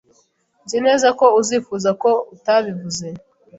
Nzi neza ko uzifuza ko utabivuze.